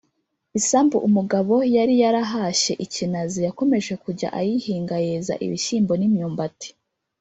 Isambu umugabo yari yarahashye i Kinazi yakomeje kujya ayihinga yeza ibishyimbo n’imyumbati